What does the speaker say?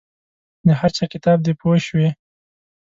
د هر چا کتاب دی پوه شوې!.